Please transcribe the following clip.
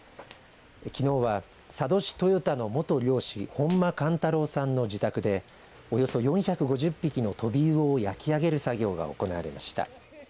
きのうは佐渡市豊田の元漁師本間勘太郎さんの自宅でおよそ４５０匹のトビウオを焼き上げる作業が行われました。